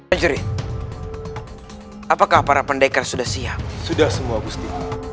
berjurit apakah para pendekar sudah siap sudah semua pasti